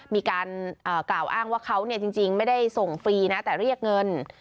มีการกล่าวอ้างว่าเขาจริงไม่ได้ส่งฟรีนะแต่เรียกเงิน